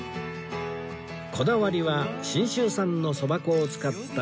こだわりは信州産のそば粉を使った